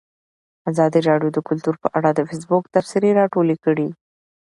ازادي راډیو د کلتور په اړه د فیسبوک تبصرې راټولې کړي.